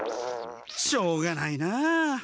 しょうがないなあ。